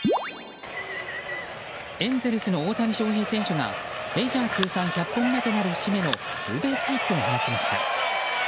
エンゼルスの大谷翔平選手がメジャー通算１００本目となるツーベースヒットを放ちました。